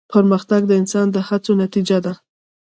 پرمختګ د انسان د هڅو نتیجه ده.